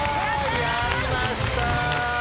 やりました。